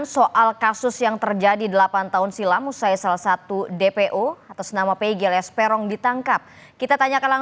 saya ingin memberi pengetahuan bahwa